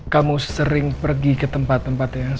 kamu sering pergi ke tempat tempat yang